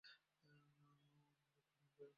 অন্নদা কহিলেন, কেন?